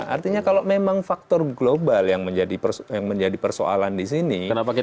artinya kalau memang faktor global yang menjadi persoalan di sini